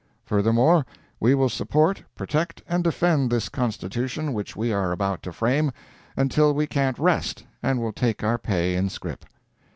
Furthermore, we will support, protect and defend this constitution which we are about to frame, until we can't rest, and will take our pay in scrip."